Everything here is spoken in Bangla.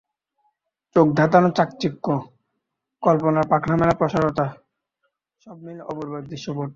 চোখধাঁধানো চাকচিক্য, কল্পনার পাখনা-মেলা প্রসারতা, সব মিলে অপূর্ব এক দৃশ্যপট।